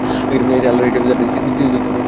এতে আল্লাহর ইচ্ছায় তাঁর দৃষ্টিশক্তি ফিরে আসবে।